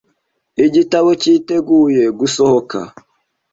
Igitabo cyiteguye gusohoka.